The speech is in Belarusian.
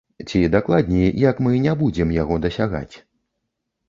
Ці, дакладней, як мы не будзем яго дасягаць.